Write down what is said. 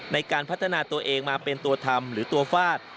ในการพัฒนาตัวเองมาเป็นตัวทำหรือตัวฟาด